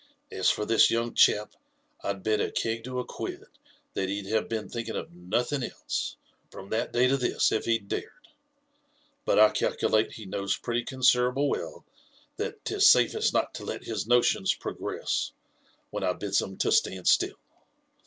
As for this young chap, I'd bet a keg to a quid, that he'd have been thinking of nothing else, from that day to (his, if he'd dared ; but I calculate he knows pretty con siderable well that 'tis safest not to let his notions progress, when I bids 'em to stand still.